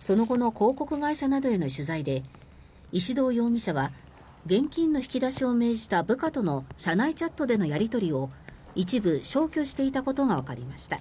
その後の広告会社などへの取材で石動容疑者は現金の引き出しを命じた部下との社内チャットでのやり取りを一部消去していたことがわかりました。